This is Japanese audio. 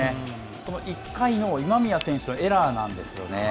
この１回の今宮選手のエラーなんですよね。